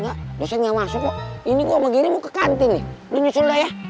udah masuk kok ini gua sama geri mau ke kantin nih lu nyusul dah ya